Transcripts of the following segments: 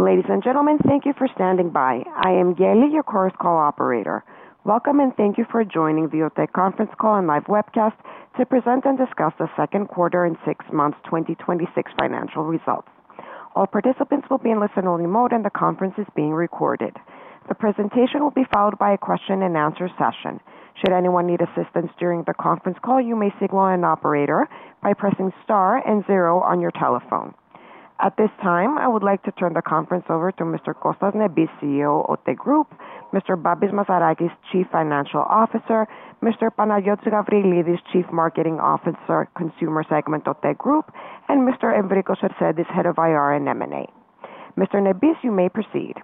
Ladies and gentlemen, thank you for standing by. I am Geli, your Chorus Call operator. Welcome, and thank you for joining the OTE conference call and live webcast to present and discuss the second quarter and six months 2026 financial results. All participants will be in listen only mode and the conference is being recorded. The presentation will be followed by a question and answer session. Should anyone need assistance during the conference call, you may signal an operator by pressing star and zero on your telephone. At this time, I would like to turn the conference over to Mr. Kostas Nebis, CEO OTE Group, Mr. Babis Mazarakis, Chief Financial Officer, Mr. Panayiotis Gabrielides, Chief Marketing Officer, Consumer Segment OTE Group, and Mr. Evrikos Sarsentis, Head of IR and M&A. Mr. Nebis, you may proceed.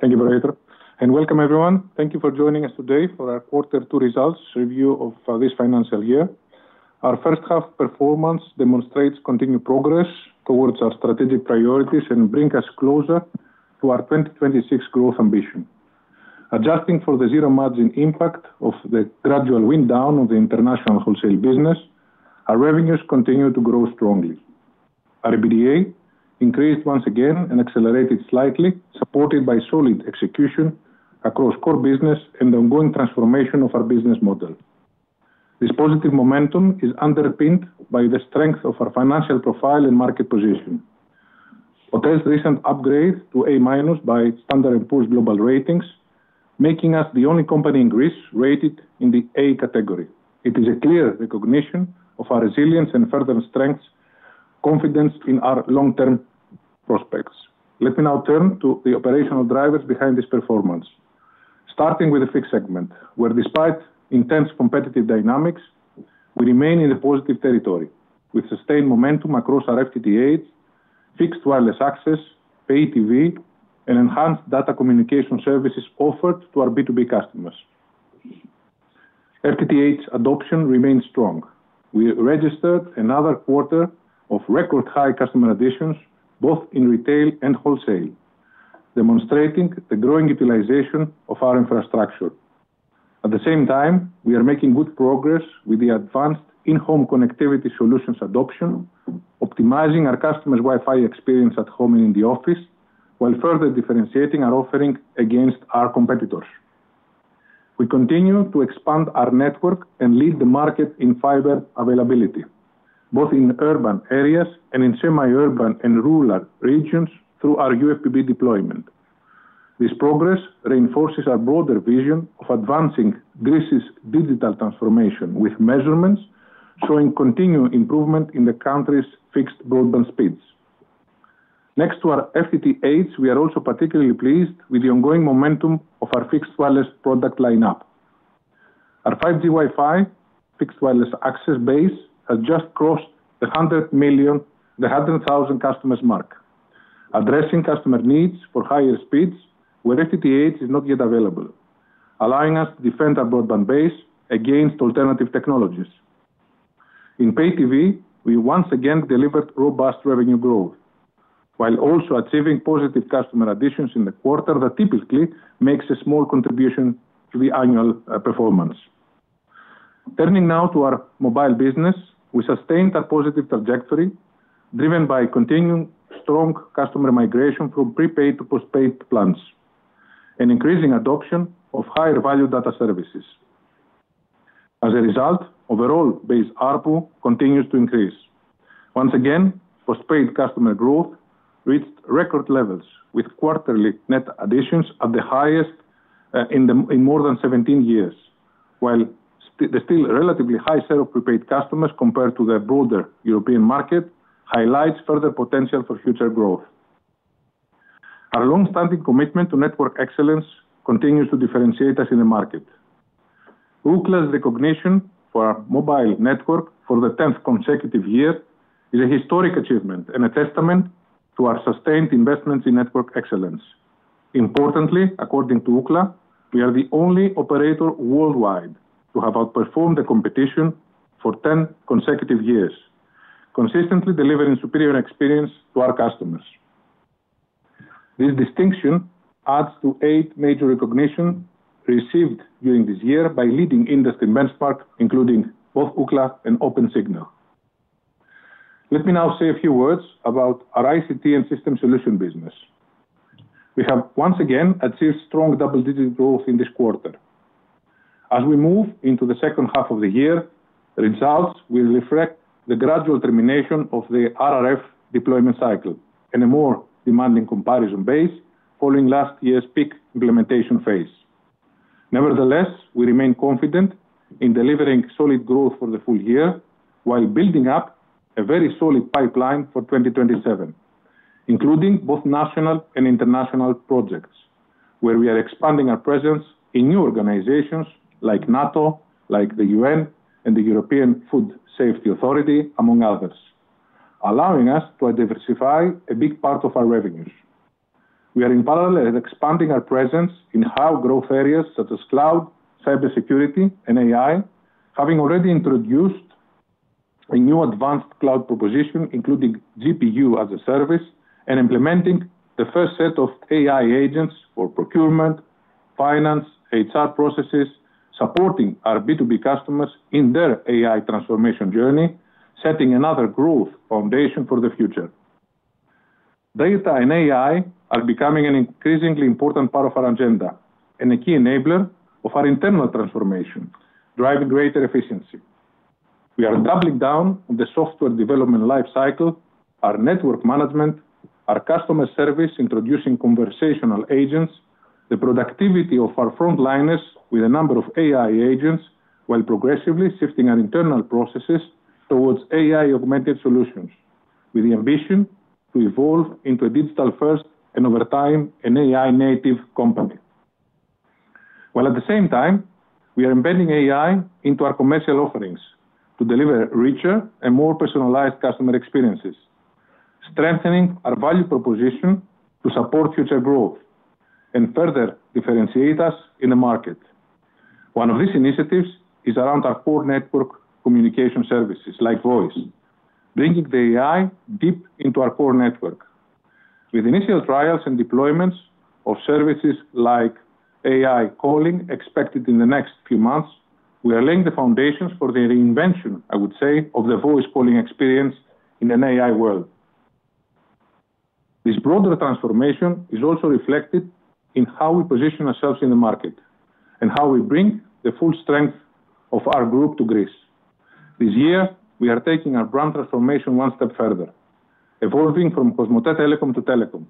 Thank you, operator, and welcome everyone. Thank you for joining us today for our quarter two results review of this financial year. Our first half performance demonstrates continued progress towards our strategic priorities and bring us closer to our 2026 growth ambition. Adjusting for the zero margin impact of the gradual wind down of the international wholesale business, our revenues continue to grow strongly. Our EBITDA increased once again and accelerated slightly, supported by solid execution across core business and ongoing transformation of our business model. This positive momentum is underpinned by the strength of our financial profile and market position. OTE's recent upgrade to A- by S&P Global Ratings, making us the only company in Greece rated in the A category. It is a clear recognition of our resilience and further strengths, confidence in our long-term prospects. Let me now turn to the operational drivers behind this performance. Starting with the fixed segment, where despite intense competitive dynamics, we remain in a positive territory with sustained momentum across our FTTH, fixed wireless access, pay TV, and enhanced data communication services offered to our B2B customers. FTTH adoption remains strong. We registered another quarter of record high customer additions, both in retail and wholesale, demonstrating the growing utilization of our infrastructure. At the same time, we are making good progress with the advanced in-home connectivity solutions adoption, optimizing our customers' Wi-Fi experience at home and in the office, while further differentiating our offering against our competitors. We continue to expand our network and lead the market in fiber availability, both in urban areas and in semi-urban and rural regions through our UFBB deployment. This progress reinforces our broader vision of advancing Greece's digital transformation with measurements showing continued improvement in the country's fixed broadband speeds. Next to our FTTH, we are also particularly pleased with the ongoing momentum of our fixed wireless product lineup. Our 5G Wi-Fi fixed wireless access base has just crossed the 100,000 customers mark, addressing customer needs for higher speeds where FTTH is not yet available, allowing us to defend our broadband base against alternative technologies. In pay TV, we once again delivered robust revenue growth, while also achieving positive customer additions in the quarter that typically makes a small contribution to the annual performance. Turning now to our mobile business. We sustained a positive trajectory driven by continued strong customer migration from prepaid to postpaid plans, and increasing adoption of higher value data services. As a result, overall base ARPU continues to increase. Once again, postpaid customer growth reached record levels with quarterly net additions at the highest in more than 17 years, while the still relatively high sale prepaid customers compared to the broader European market highlights further potential for future growth. Our longstanding commitment to network excellence continues to differentiate us in the market. Ookla's recognition for our mobile network for the tenth consecutive year is a historic achievement and a testament to our sustained investments in network excellence. Importantly, according to Ookla, we are the only operator worldwide to have outperformed the competition for 10 consecutive years, consistently delivering superior experience to our customers. This distinction adds to eight major recognitions received during this year by leading industry benchmark, including both Ookla and Opensignal. Let me now say a few words about our ICT and system solution business. We have once again achieved strong double-digit growth in this quarter. As we move into the second half of the year, results will reflect the gradual termination of the RRF deployment cycle and a more demanding comparison base following last year's peak implementation phase. Nevertheless, we remain confident in delivering solid growth for the full year while building up a very solid pipeline for 2027, including both national and international projects, where we are expanding our presence in new organizations like NATO, like the UN, and the European Food Safety Authority, among others, allowing us to diversify a big part of our revenues. We are in parallel expanding our presence in high growth areas such as cloud, cybersecurity, and AI, having already introduced a new advanced cloud proposition including GPU as a service and implementing the first set of AI agents for procurement Finance, HR processes, supporting our B2B customers in their AI transformation journey, setting another growth foundation for the future. Data and AI are becoming an increasingly important part of our agenda and a key enabler of our internal transformation, driving greater efficiency. We are doubling down on the software development life cycle, our network management, our customer service, introducing conversational agents, the productivity of our frontliners with a number of AI agents, while progressively shifting our internal processes towards AI-augmented solutions, with the ambition to evolve into a digital-first, and over time, an AI-native company. While at the same time, we are embedding AI into our commercial offerings to deliver richer and more personalized customer experiences, strengthening our value proposition to support future growth and further differentiate us in the market. One of these initiatives is around our core network communication services, like voice, bringing the AI deep into our core network. With initial trials and deployments of services like AI calling expected in the next few months, we are laying the foundations for the reinvention, I would say, of the voice calling experience in an AI world. This broader transformation is also reflected in how we position ourselves in the market and how we bring the full strength of our group to Greece. This year, we are taking our brand transformation one step further, evolving from Cosmote Telekom to telecom.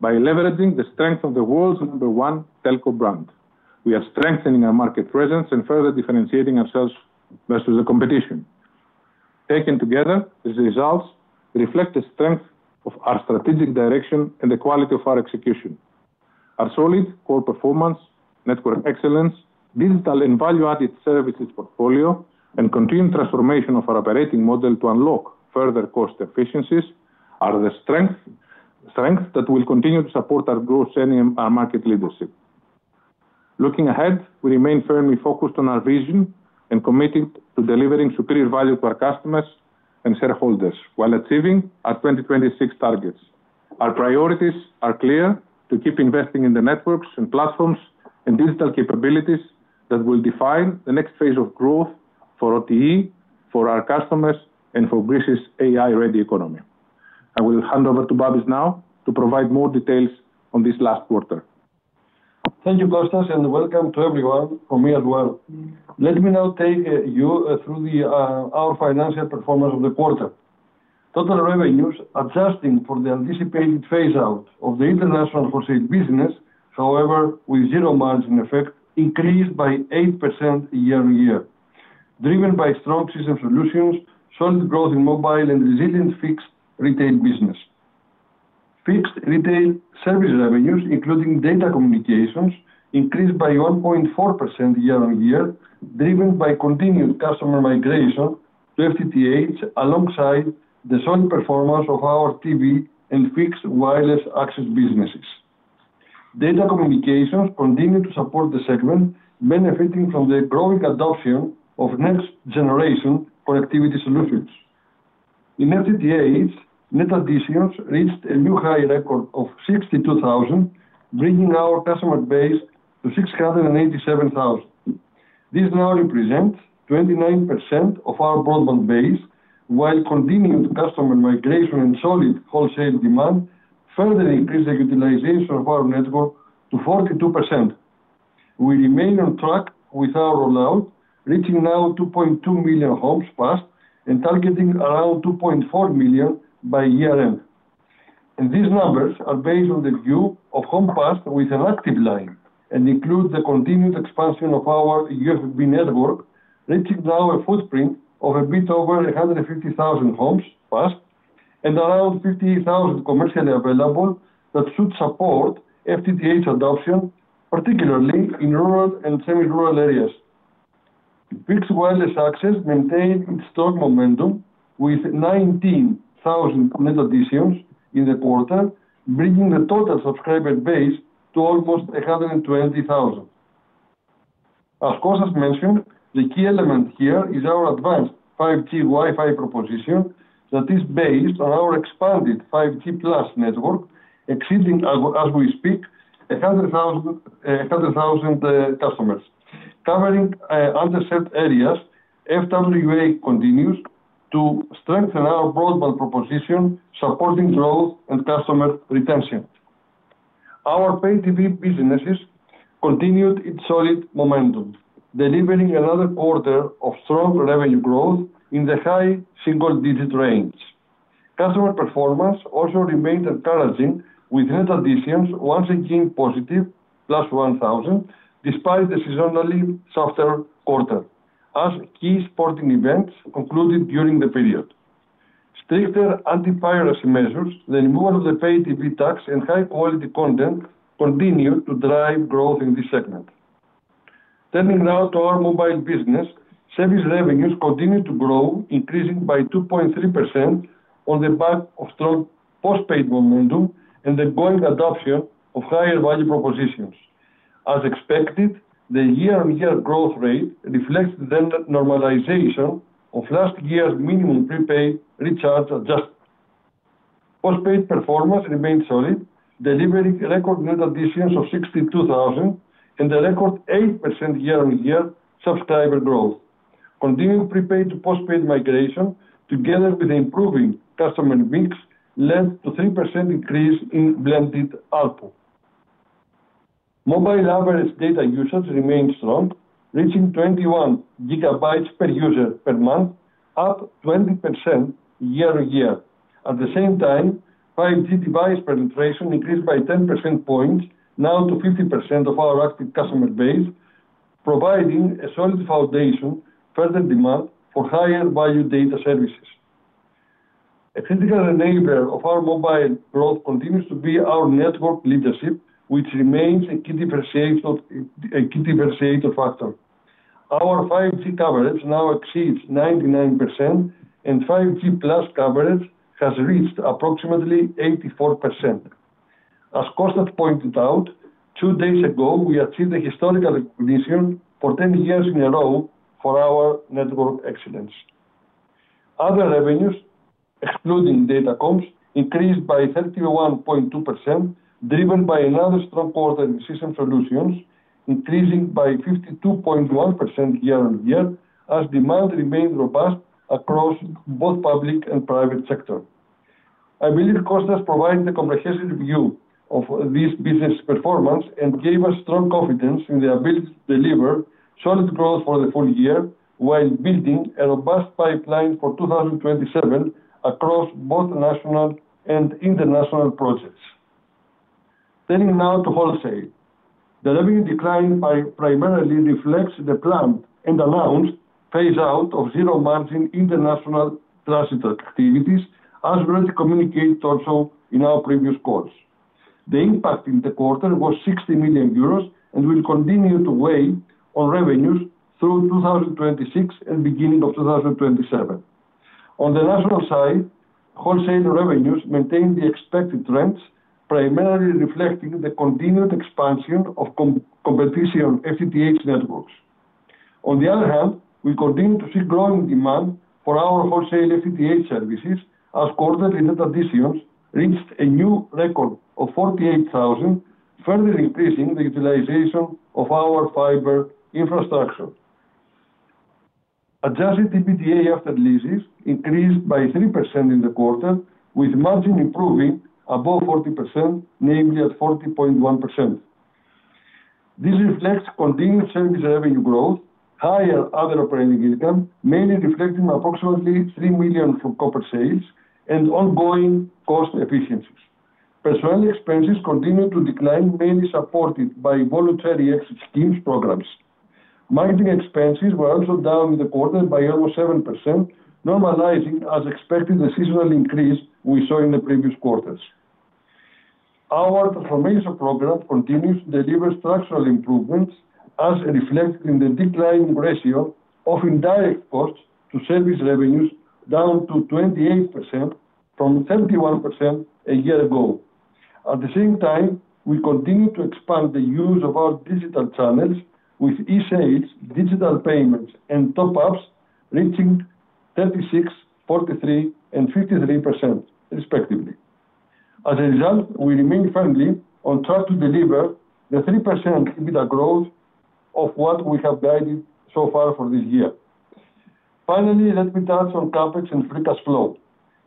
By leveraging the strength of the world's number one telco brand, we are strengthening our market presence and further differentiating ourselves versus the competition. Taken together, these results reflect the strength of our strategic direction and the quality of our execution. Our solid core performance, network excellence, digital and value-added services portfolio, and continued transformation of our operating model to unlock further cost efficiencies are the strength that will continue to support our growth and our market leadership. Looking ahead, we remain firmly focused on our vision and committed to delivering superior value to our customers and shareholders while achieving our 2026 targets. Our priorities are clear, to keep investing in the networks and platforms and digital capabilities that will define the next phase of growth for OTE, for our customers, and for Greece's AI-ready economy. I will hand over to Babis now to provide more details on this last quarter. Thank you, Kostas, and welcome to everyone from me as well. Let me now take you through our financial performance of the quarter. Total revenues, adjusting for the anticipated phase-out of the international wholesale business, however, with zero margin effect, increased by 8% year-over-year, driven by strong system solutions, solid growth in mobile and resilient fixed retail business. Fixed retail service revenues, including data communications, increased by 1.4% year-on-year, driven by continued customer migration to FTTH, alongside the solid performance of our TV and fixed wireless access businesses. Data communications continue to support the segment, benefiting from the growing adoption of next-generation productivity solutions. In FTTH, net additions reached a new high record of 62,000, bringing our customer base to 687,000. This now represents 29% of our broadband base, while continued customer migration and solid wholesale demand further increase the utilization of our network to 42%. We remain on track with our rollout, reaching now 2.2 million homes passed and targeting around 2.4 million by year-end. These numbers are based on the view of home passed with an active line and include the continued expansion of our UFBB network, reaching now a footprint of a bit over 150,000 homes passed and around 50,000 commercially available that should support FTTH adoption, particularly in rural and semi-rural areas. Fixed wireless access maintained its strong momentum with 19,000 net additions in the quarter, bringing the total subscriber base to almost 120,000. As Kostas mentioned, the key element here is our advanced 5G Wi-Fi proposition that is based on our expanded 5G+ network, exceeding, as we speak, 100,000 customers. Covering underserved areas, FWA continues to strengthen our broadband proposition, supporting growth and customer retention. Our pay TV business continued its solid momentum, delivering another quarter of strong revenue growth in the high single-digit range. Customer performance also remained encouraging with net additions once again positive, +1,000, despite the seasonally softer quarter as key sporting events concluded during the period. Stricter anti-piracy measures, the removal of the pay TV tax, and high-quality content continue to drive growth in this segment. Turning now to our mobile business, service revenues continue to grow, increasing by 2.3% on the back of strong postpaid momentum and the growing adoption of higher value propositions. As expected, the year-on-year growth rate reflects the normalization of last year's minimum prepaid recharge. Postpaid performance remained solid, delivering record net additions of 62,000 and a record 8% year-on-year subscriber growth. Continued prepaid to postpaid migration, together with improving customer mix, led to 3% increase in blended ARPU. Mobile average data usage remains strong, reaching 21 GB per user per month, up 20% year-on-year. At the same time, 5G device penetration increased by 10% points, now to 50% of our active customer base, providing a solid foundation for the demand for higher value data services. A critical enabler of our mobile growth continues to be our network leadership, which remains a key differentiator factor. Our 5G coverage now exceeds 99%, and 5G+ coverage has reached approximately 84%. As Kostas pointed out, two days ago, we achieved a historical recognition for 10 years in a row for our network excellence. Other revenues, excluding Datacom, increased by 31.2%, driven by another strong quarter in system solutions, increasing by 52.1% year-on-year as demand remained robust across both public and private sector. I believe Kostas provided a comprehensive view of this business performance and gave us strong confidence in the ability to deliver solid growth for the full year, while building a robust pipeline for 2027 across both national and international projects. Turning now to wholesale. The revenue decline primarily reflects the planned and announced phase-out of zero-margin international transit activities, as we had communicated also in our previous calls. The impact in the quarter was 60 million euros and will continue to weigh on revenues through 2026 and beginning of 2027. On the national side, wholesale revenues maintained the expected trends, primarily reflecting the continued expansion of competition FTTH networks. On the other hand, we continue to see growing demand for our wholesale FTTH services, as quarter net additions reached a new record of 48,000, further increasing the utilization of our fiber infrastructure. Adjusted EBITDA after leases increased by 3% in the quarter, with margin improving above 40%, namely at 40.1%. This reflects continued service revenue growth, higher other operating income, mainly reflecting approximately 3 million from corporate sales and ongoing cost efficiencies. Personnel expenses continued to decline, mainly supported by voluntary exit schemes programs. Marketing expenses were also down in the quarter by almost 7%, normalizing as expected the seasonal increase we saw in the previous quarters. Our transformation program continues to deliver structural improvements as reflected in the decline ratio of indirect costs to service revenues down to 28% from 31% a year ago. At the same time, we continue to expand the use of our digital channels with eSales, digital payments, and top-ups reaching 36%, 43%, and 53% respectively. As a result, we remain firmly on track to deliver the 3% EBITDA growth of what we have guided so far for this year. Finally, let me touch on CapEx and free cash flow.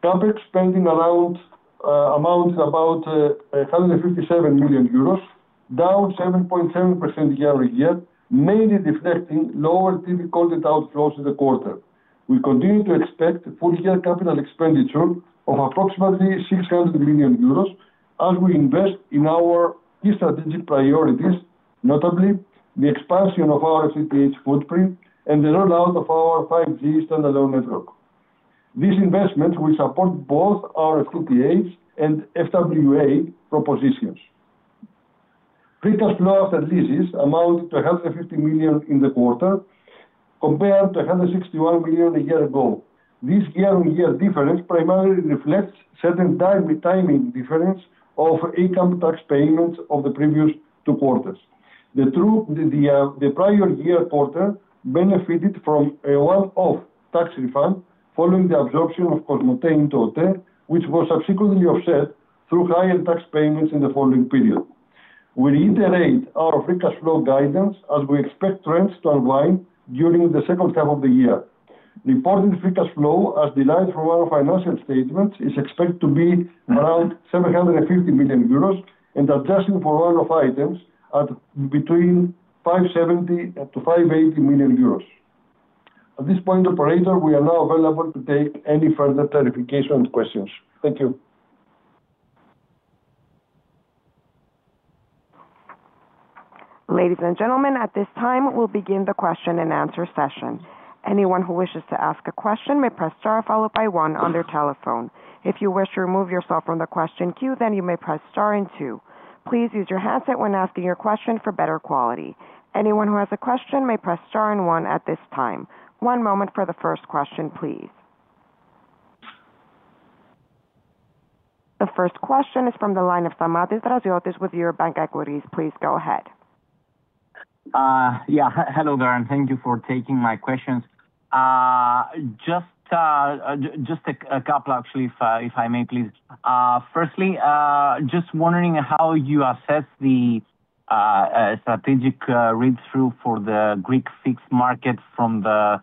CapEx spending amounts about 157 million euros, down 7.7% year-on-year, mainly reflecting lower TV content outflows in the quarter. We continue to expect full-year capital expenditure of approximately 600 million euros as we invest in our key strategic priorities, notably the expansion of our FTTH footprint and the rollout of our 5G standalone network. These investments will support both our FTTH and FWA propositions. Free cash flow after leases amount to 150 million in the quarter compared to 161 million a year ago. This year-on-year difference primarily reflects certain timing difference of income tax payments of the previous two quarters. The prior year quarter benefited from a one-off tax refund following the absorption of Cosmote in OTE, which was subsequently offset through higher tax payments in the following period. We reiterate our free cash flow guidance as we expect trends to unwind during the second half of the year. The important free cash flow, as outlined from our financial statements, is expected to be around 750 million euros and adjusting for one-off items at between 570 million-580 million euros. At this point, operator, we are now available to take any further clarification questions. Thank you. Ladies and gentlemen, at this time, we'll begin the question and answer session. Anyone who wishes to ask a question may press star followed by one on their telephone. If you wish to remove yourself from the question queue, then you may press star and two. Please use your headset when asking your question for better quality. Anyone who has a question may press star and one at this time. One moment for the first question, please. The first question is from the line of Stamatios Draziotis with Eurobank Equities. Please go ahead. Hello there. Thank you for taking my questions. Just a couple actually, if I may, please. Firstly, just wondering how you assess the strategic read-through for the Greek fixed market from the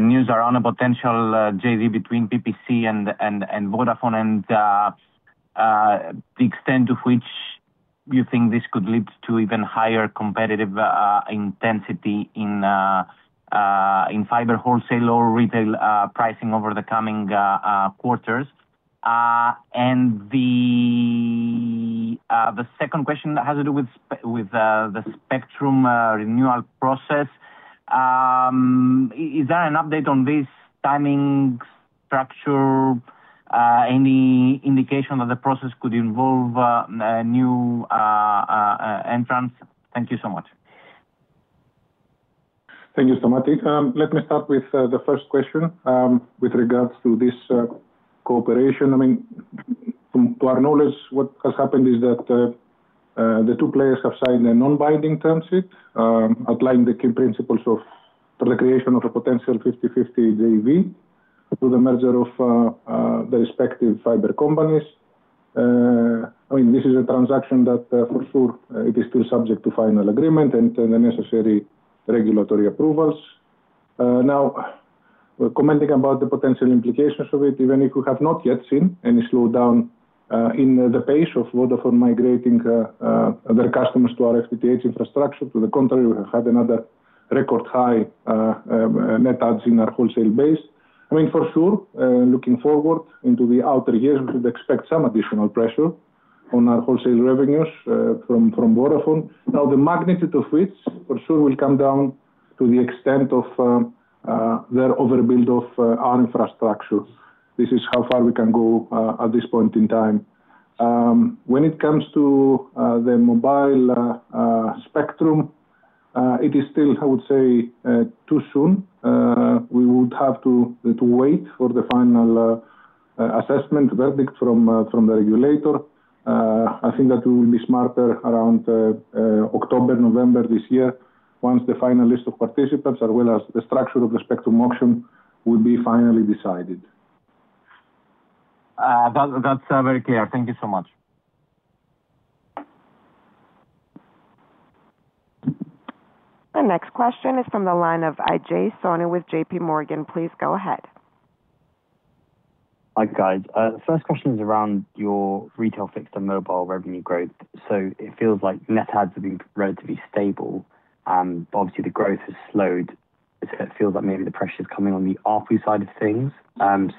news around a potential JV between PPC and Vodafone, and the extent to which you think this could lead to even higher competitive intensity in fiber wholesale or retail pricing over the coming quarters. The second question has to do with the spectrum renewal process. Is there an update on this timing, structure, any indication that the process could involve new entrants? Thank you so much. Thank you, Stamatios. Let me start with the first question with regards to this cooperation. To our knowledge, what has happened is that the two players have signed a non-binding term sheet, outlining the key principles for the creation of a potential 50/50 JV through the merger of the respective fiber companies. This is a transaction that for sure is still subject to final agreement and the necessary regulatory approvals. Commenting about the potential implications of it, even if we have not yet seen any slowdown in the pace of Vodafone migrating their customers to our FTTH infrastructure. To the contrary, we have had another record high net adds in our wholesale base. For sure, looking forward into the outer years, we should expect some additional pressure on our wholesale revenues from Vodafone. The magnitude of which for sure will come down to the extent of their overbuild of our infrastructure. This is how far we can go at this point in time. When it comes to the mobile spectrum, it is still, I would say, too soon. We would have to wait for the final assessment verdict from the regulator. I think that we will be smarter around October, November this year, once the final list of participants, as well as the structure of the spectrum auction will be finally decided. That's very clear. Thank you so much. The next question is from the line of Ajay Soni with J.P. Morgan. Please go ahead. Hi, guys. First question is around your retail fixed and mobile revenue growth. It feels like net adds have been relatively stable. Obviously, the growth has slowed. It feels like maybe the pressure's coming on the ARPU side of things. Can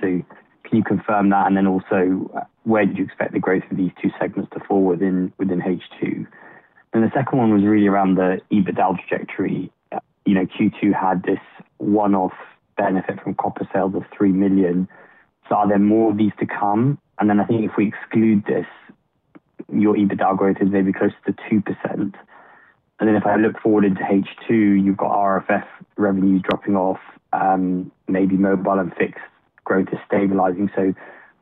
you confirm that? Also, where do you expect the growth of these two segments to fall within H2? The second one was really around the EBITDA trajectory. Q2 had this one-off benefit from copper sales of 3 million. Are there more of these to come? I think if we exclude this, your EBITDA growth is maybe closer to 2%. If I look forward into H2, you've got RRF revenue dropping off, maybe mobile and fixed growth is stabilizing.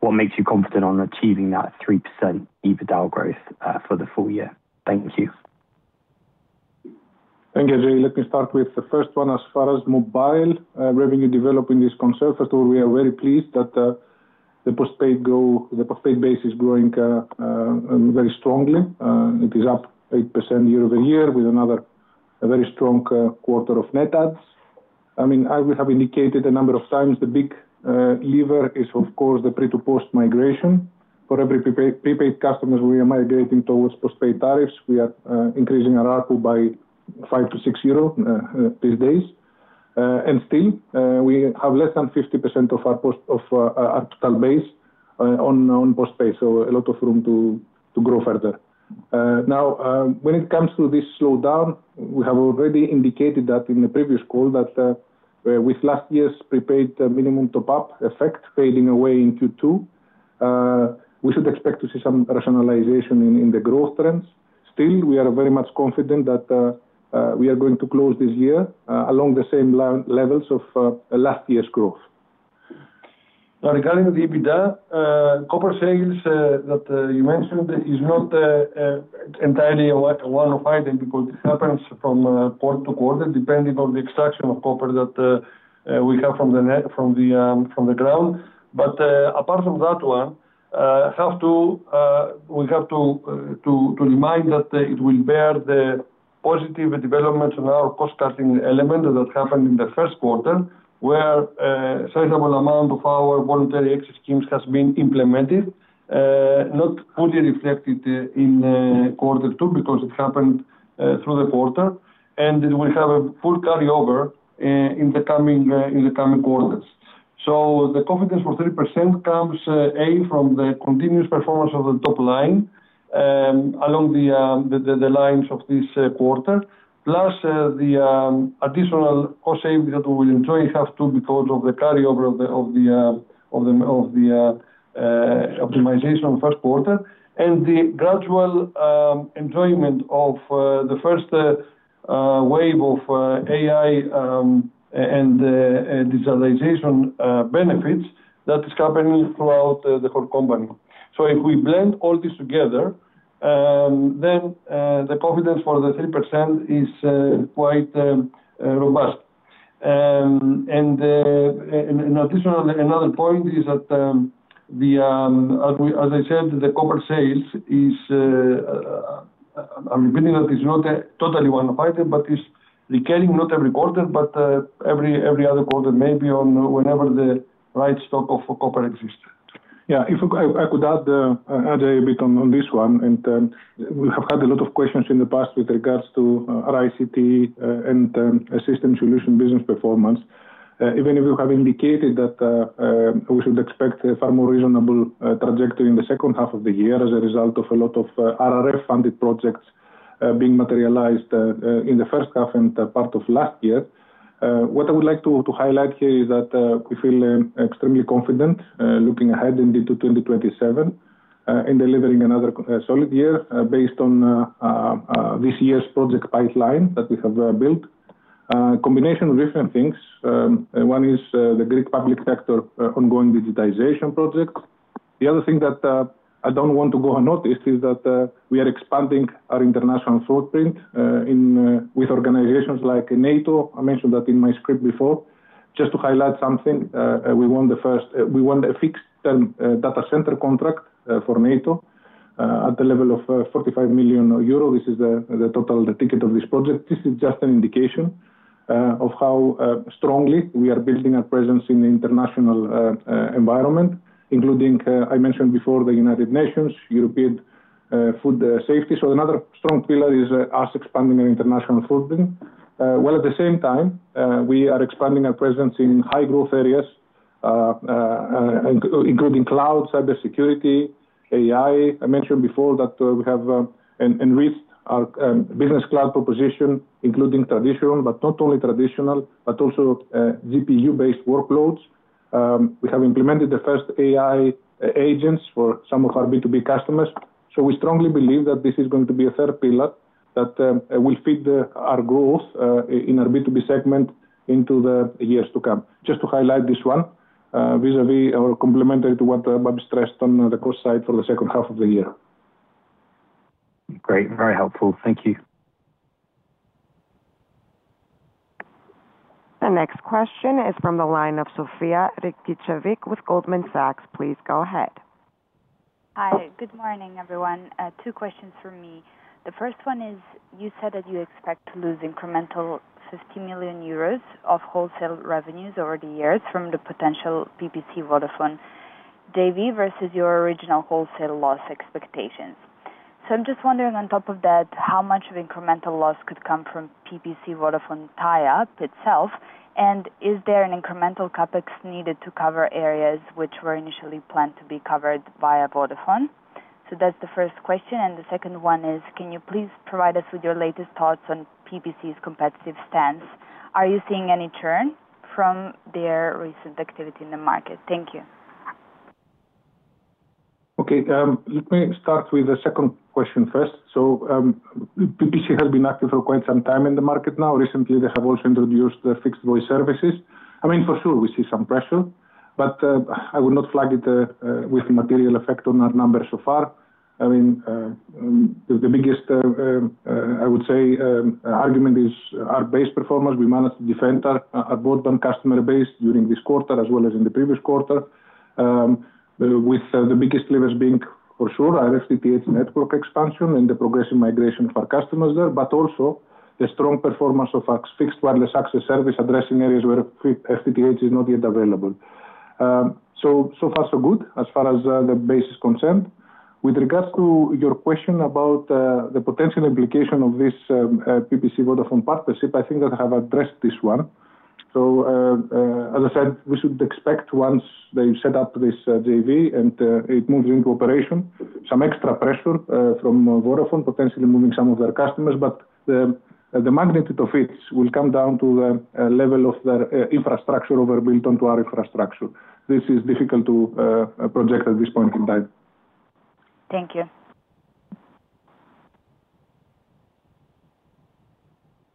What makes you confident on achieving that 3% EBITDA growth for the full year? Thank you. Thank you, Ajay. Let me start with the first one. As far as mobile revenue developing is concerned, first of all, we are very pleased that the postpaid base is growing very strongly. It is up 8% year-over-year with another very strong quarter of net adds. I have indicated a number of times the big lever is, of course, the pre to post migration. For every prepaid customers we are migrating towards postpaid tariffs. We are increasing our ARPU by 5 to 6 euro these days. Still, we have less than 50% of our total base on postpaid, so a lot of room to grow further. When it comes to this slowdown, we have already indicated that in the previous call that with last year's prepaid minimum top-up effect fading away in Q2, we should expect to see some personalization in the growth trends. Still, we are very much confident that we are going to close this year along the same levels of last year's growth. Regarding the EBITDA, copper sales that you mentioned is not entirely a one-off item because it happens from quarter to quarter, depending on the extraction of copper that we have from the ground. Apart from that one, we have to remind that it will bear the positive development on our cost-cutting element that happened in the first quarter, where a sizable amount of our voluntary exit schemes has been implemented, not fully reflected in quarter two because it happened through the quarter. We have a full carryover in the coming quarters. The confidence for 3% comes, A, from the continuous performance of the top line, along the lines of this quarter, plus the additional cost saving that we will enjoy have to because of the carryover of the optimization of first quarter and the gradual enjoyment of the first wave of AI and digitalization benefits that is happening throughout the whole company. If we blend all this together, then the confidence for the 3% is quite robust. Additionally, another point is that, as I said, the copper sales is, I'm believing that is not totally one-off item, but is recurring, not every quarter, but every other quarter, maybe on whenever the right stock of copper exists. Yeah. If I could add Ajay, a bit on this one, we have had a lot of questions in the past with regards to ICT and system solution business performance. Even if you have indicated that we should expect a far more reasonable trajectory in the second half of the year as a result of a lot of RRF-funded projects being materialized in the first half and part of last year. What I would like to highlight here is that we feel extremely confident looking ahead into 2027, in delivering another solid year based on this year's project pipeline that we have built. A combination of different things. One is the Greek public sector ongoing digitization project. The other thing that I don't want to go unnoticed is that we are expanding our international footprint with organizations like NATO. I mentioned that in my script before. Just to highlight something, we won a fixed-term data center contract for NATO at the level of 45 million euro. This is the total ticket of this project. This is just an indication of how strongly we are building our presence in the international environment, including, I mentioned before, the United Nations, European Food Safety. Another strong pillar is us expanding our international footprint, while at the same time, we are expanding our presence in high-growth areas, including cloud, cybersecurity, AI. I mentioned before that we have enriched our business cloud proposition, including traditional, but not only traditional, but also GPU-based workloads. We have implemented the first AI agents for some of our B2B customers. We strongly believe that this is going to be a third pillar that will feed our growth in our B2B segment into the years to come. Just to highlight this one, vis-a-vis or complementary to what Babis stressed on the cost side for the second half of the year. Great. Very helpful. Thank you. The next question is from the line of Sofija Rakicevic with Goldman Sachs. Please go ahead. Hi. Good morning, everyone. Two questions from me. The first one is, you said that you expect to lose incremental 50 million euros of wholesale revenues over the years from the potential PPC, Vodafone JV versus your original wholesale loss expectations. I'm just wondering on top of that, how much of incremental loss could come from PPC, Vodafone tie-up itself, and is there an incremental CapEx needed to cover areas which were initially planned to be covered via Vodafone? That's the first question, and the second one is, can you please provide us with your latest thoughts on PPC's competitive stance? Are you seeing any churn from their recent activity in the market? Thank you. Okay. Let me start with the second question first. PPC has been active for quite some time in the market now. Recently, they have also introduced the fixed voice services. I mean, for sure, we see some pressure, but I would not flag it with material effect on our numbers so far. I mean, the biggest, I would say, argument is our base performance. We managed to defend our broadband customer base during this quarter as well as in the previous quarter, with the biggest levers being, for sure, our FTTH network expansion and the progressive migration of our customers there, but also the strong performance of our fixed wireless access service addressing areas where FTTH is not yet available. So far so good as far as the base is concerned. With regards to your question about the potential implication of this PPC, Vodafone partnership, I think I have addressed this one. As I said, we should expect once they set up this JV and it moves into operation, some extra pressure from Vodafone potentially moving some of their customers. The magnitude of it will come down to the level of their infrastructure overbuilt onto our infrastructure. This is difficult to project at this point in time. Thank you.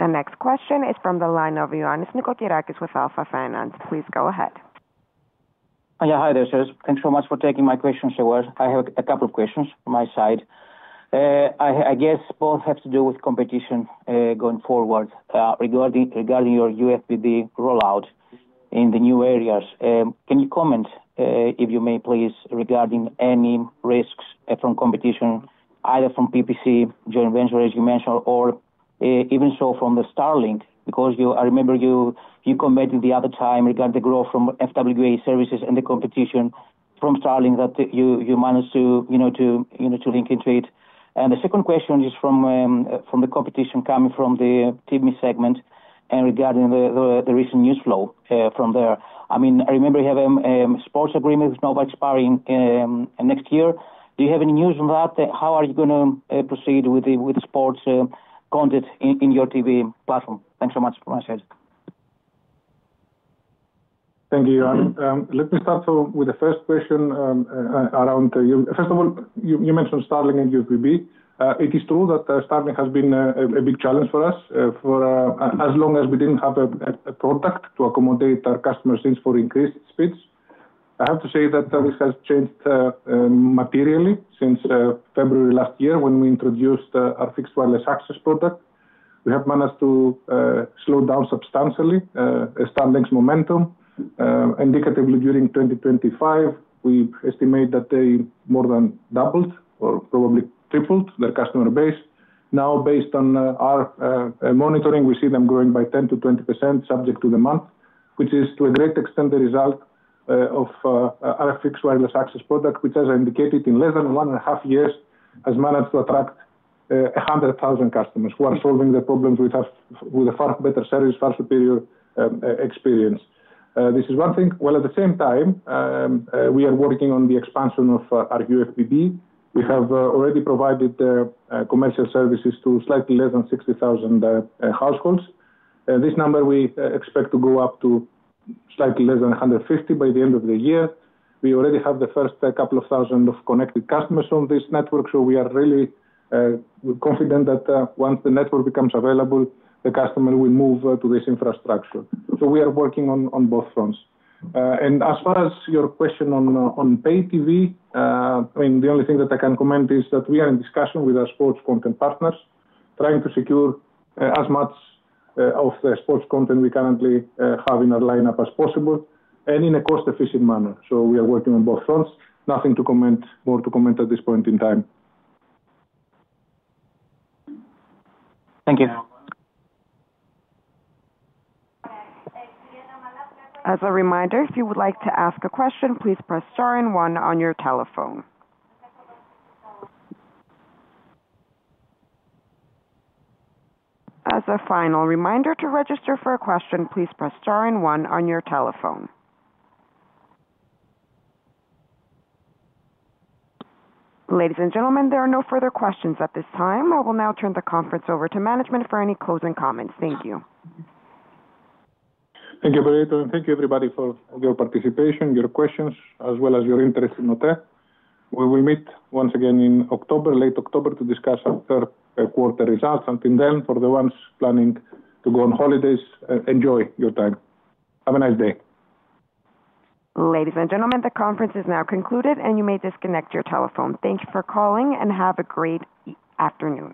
The next question is from the line of Ioannis Noikokyrakis with Alpha Finance. Please go ahead. Hi there, sir. Thanks so much for taking my question, [Kostas]. I have a couple of questions my side. I guess both have to do with competition, going forward, regarding your UFBB rollout in the new areas. Can you comment, if you may please, regarding any risks from competition, either from PPC joint venture, as you mentioned, or even so from the Starlink, because I remember you commented the other time regarding the growth from FWA services and the competition from Starlink that you managed to link into it. The second question is from the competition coming from the TV segment and regarding the recent news flow from there. I mean, I remember you have sports agreements now expiring next year. Do you have any news on that? How are you going to proceed with the sports content in your TV platform? Thanks so much for my sides. Thank you, Ioannis. Let me start with the first question. First of all, you mentioned Starlink and UFBB. It is true that Starlink has been a big challenge for us for as long as we didn't have a product to accommodate our customer since for increased speeds. I have to say that this has changed materially since February last year when we introduced our fixed wireless access product. We have managed to slow down substantially Starlink momentum. Indicatively during 2025, we estimate that they more than doubled or probably tripled their customer base. Based on our monitoring, we see them growing by 10%-20% subject to the month, which is to a great extent the result of our fixed wireless access product, which as I indicated, in less than one and a half years has managed to attract 100,000 customers who are solving their problems with a far better service, far superior experience. This is one thing, while at the same time, we are working on the expansion of our UFBB. We have already provided commercial services to slightly less than 60,000 households. This number we expect to go up to slightly less than 150,000 by the end of the year. We already have the first couple of thousand of connected customers on this network, we are really confident that once the network becomes available, the customer will move to this infrastructure. We are working on both fronts. As far as your question on pay TV, the only thing that I can comment is that we are in discussion with our sports content partners, trying to secure as much of the sports content we currently have in our lineup as possible and in a cost-efficient manner. We are working on both fronts. Nothing more to comment at this point in time. Thank you. As a reminder, if you would like to ask a question, please press star and one on your telephone. As a final reminder to register for a question, please press star and one on your telephone. Ladies and gentlemen, there are no further questions at this time. I will now turn the conference over to management for any closing comments. Thank you. Thank you, operator, thank you everybody for your participation, your questions, as well as your interest in OTE. We will meet once again in October, late October, to discuss our third quarter results. Until then, for the ones planning to go on holidays, enjoy your time. Have a nice day. Ladies and gentlemen, the conference is now concluded, and you may disconnect your telephone. Thank you for calling, and have a great afternoon.